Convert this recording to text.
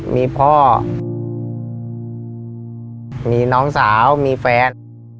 มีพ่อมีน้องสาวมีแฟน